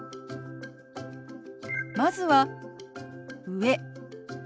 まずは「上」。